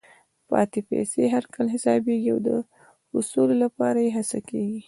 پاتې پیسې هر کال حسابېږي او د حصول لپاره یې هڅه کېږي.